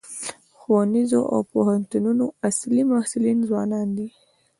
د ښوونځیو او پوهنتونونو اصلي محصلین ځوانان دي.